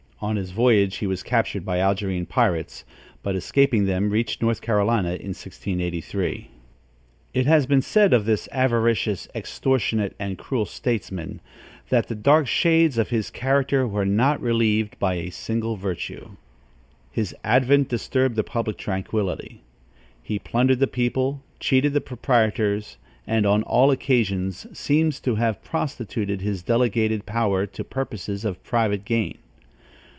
On his voyage, he was captured by Algerine pirates, but, escaping them, reached North Carolinia, in 1683. It has been said of this avaricious, extortionate and cruel statesman, that "the dark shades of his character were not relieved by a single virtue." His advent disturbed the public tranquillity. He plundered the people, cheated the proprietors, and on all occasions seems to have prostituted his delegated power to purposes of private gain.